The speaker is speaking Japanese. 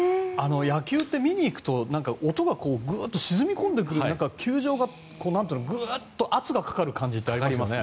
野球って見に行くと音がグーッと沈み込んでくる球場がグーッと圧がかかる感じありますよね。